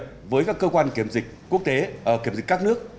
làm việc với các cơ quan kiểm dịch quốc tế kiểm dịch các nước